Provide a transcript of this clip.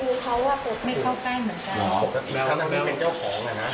มึงรู้เขาว่าก็ไม่เข้าใกล้เหมือนกัน